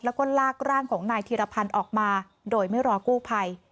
แล้วก็ลากร่างของนายธีรพันธ์ออกมาโดยไม่รอกู้ภัย